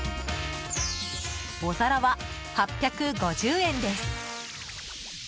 おざらは、８５０円です。